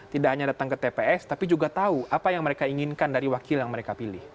tidak hanya datang ke tps tapi juga tahu apa yang mereka inginkan dari wakil yang mereka pilih